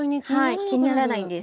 はい気にならないんです。